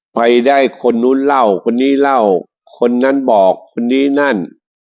ไปได้คนนู้นเล่าคนนี้เล่าคนนั้นบอกคนนี้นั่น